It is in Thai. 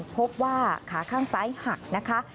พบว่าขาข้างซ้ายหักนะคะ